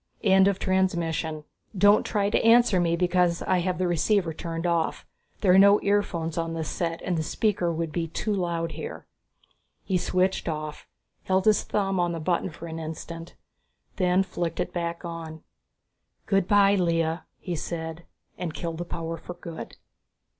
End of transmission. Don't try to answer me because I have the receiver turned off. There are no earphones on this set and the speaker would be too loud here." He switched off, held his thumb on the button for an instant, then flicked it back on. "Good by Lea," he said, and killed the power for good.